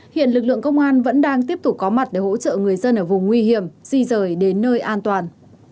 hiện lực lượng công an vẫn đang tiếp tục có mặt để hỗ trợ người dân ở vùng nguy hiểm di rời đến nơi an toàn